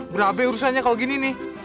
berabai urusannya kalau gini nih